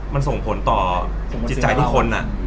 มันส่งผลต่อจิตใจทุกคน